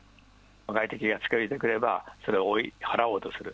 外敵が近づいてくれば、それを追い払おうとする。